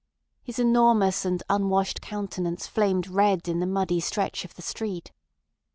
His enormous and unwashed countenance flamed red in the muddy stretch of the street.